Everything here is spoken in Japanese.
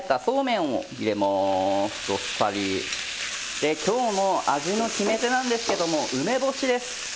で今日の味の決め手なんですけども梅干しです。